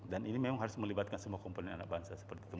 ini memang harus melibatkan semua komponen anak bangsa seperti itu